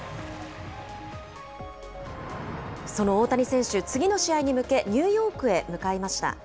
その大谷選手、次の試合に向け、ニューヨークへ向かいました。